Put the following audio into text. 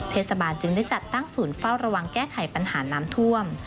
เทศบาลจึงได้จัดตั้งศูนย์เฝ้าระวังแก้ไขปัญหาน้ำท่วม